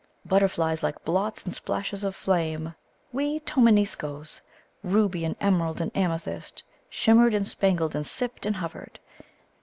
Butterflies like blots and splashes of flame, wee Tominiscoes, ruby and emerald and amethyst, shimmered and spangled and sipped and hovered.